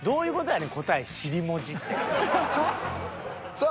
さあ